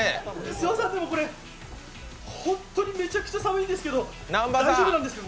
諏訪さん、でもこれホントにめちゃくちゃ寒いんですけど大丈夫なんですか？